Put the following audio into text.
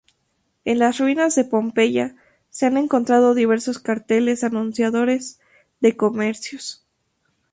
En las ruinas de Pompeya se han encontrado diversos carteles anunciadores de comercios.